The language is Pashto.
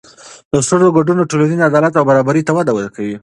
د ښځو ګډون ټولنیز عدالت او برابري ته وده ورکوي.